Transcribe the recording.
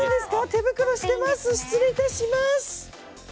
手袋してます、失礼いたします。